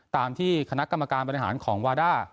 ตามที่คณะกรรมการบริหารของวาด้า